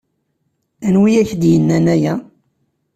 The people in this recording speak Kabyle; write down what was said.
Anwa i ak-d-yennan aya?